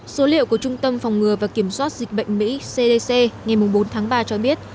số liệu của trung tâm phòng ngừa và kiểm soát dịch bệnh mỹ cdc ngày bốn tháng ba cho biết